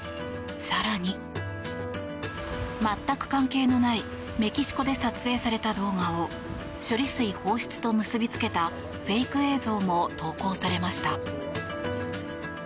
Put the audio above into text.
更に、全く関係のないメキシコで撮影された動画を処理水放出と結び付けたフェイク映像も投稿されました。